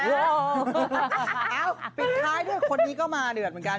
ปิดท้ายด้วยคนนี้ก็มาเดือดเหมือนกัน